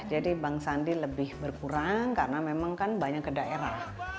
jadi bang sandi lebih berkurang karena memang kan banyak ke daerah